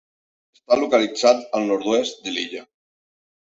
Està localitzat al nord-oest de l'illa.